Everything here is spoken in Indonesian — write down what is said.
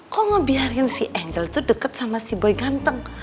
kok ngebiarin si angel itu dekat sama si boy ganteng